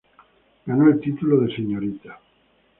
Ganó el título de Srta.